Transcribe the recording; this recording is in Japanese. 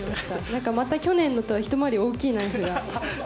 なんか、また去年のとは一回り大きいナイフが。